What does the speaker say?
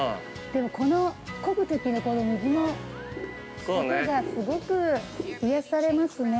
でも、この漕ぐときに、水の、すごく癒されますね。